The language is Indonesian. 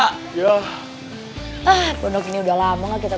ah penuh gini udah lama gak kita